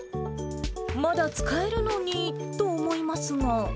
まだ使えるのにと思いますが。